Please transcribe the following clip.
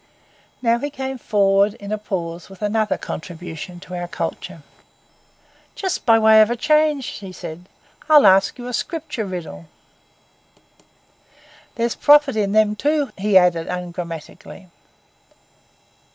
Now he came forward in a pause with another contribution to our culture. 'Just by way of change,' said he, 'I'll ask you a Scripture riddle. There's profit in them too,' he added ungrammatically.